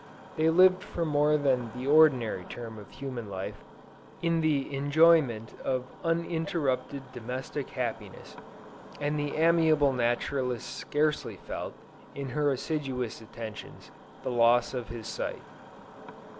They lived for more than the ordinary term of human life, in the enjoyment of uninterrupted domestic happiness, and the amiable naturalist scarcely felt, in her assiduous attentions, the loss of his sight.